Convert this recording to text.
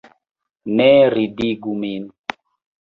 Ne ridigu min!